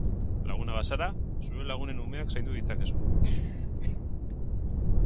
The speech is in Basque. Laguna bazara, zure lagunen umeak zaindu ditzakezu.